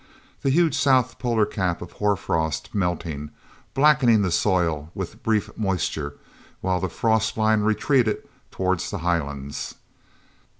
The huge south polar cap of hoarfrost melting, blackening the soil with brief moisture, while the frost line retreated toward the highlands.